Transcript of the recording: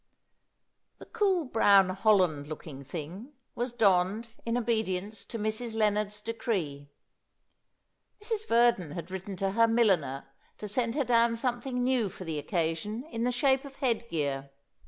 "The cool, brown holland looking thing" was donned, in obedience to Mrs. Lennard's decree. Mrs. Verdon had written to her milliner to send her down something new for the occasion in the shape of headgear.